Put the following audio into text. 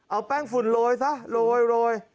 เอาแป้งฝุ่นโรยซะโรย